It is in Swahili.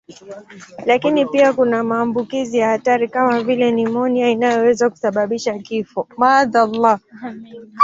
Lakini pia kuna maambukizi ya hatari kama vile nimonia inayoweza kusababisha kifo.